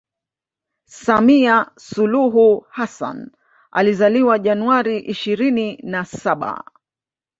Samia suluhu Hassan alizaliwa January ishirini na saba